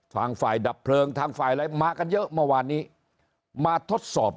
ฝ่ายดับเพลิงทางฝ่ายอะไรมากันเยอะเมื่อวานนี้มาทดสอบ